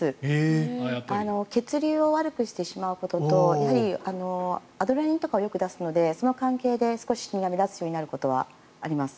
血流を悪くしてしまうこととアドレナリンとかを出すのでその関係で少しシミが目立つようになることはあります。